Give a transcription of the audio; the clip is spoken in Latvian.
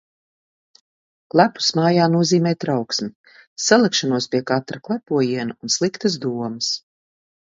Klepus mājā nozīmē trauksmi. Salekšanos pie katra klepojiena un sliktas domas.